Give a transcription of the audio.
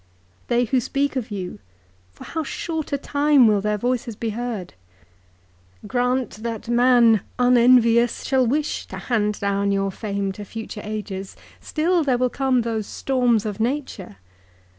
They who speak of you, for how short a time will their voices be heard ? 410 APPENDIX. "' Grant, thatfman, unenvious, shall wish to hand down your fame to future ages, still there will come those storms of nature.